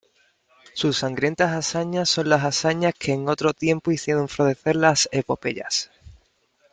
sus sangrientas hazañas son las hazañas que en otro tiempo hicieron florecer las epopeyas .